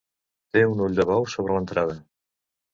Té un ull de bou sobre l'entrada.